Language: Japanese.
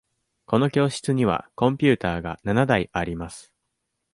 この教室にはコンピューターが七台あります。